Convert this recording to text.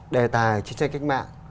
đề tài chiến tranh cách mạng